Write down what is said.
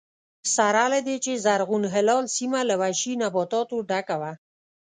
سره له دې چې زرغون هلال سیمه له وحشي نباتاتو ډکه وه